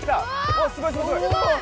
おっすごいすごいすごい！